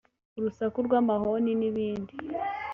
urusaku rw’amahoni n’ibindi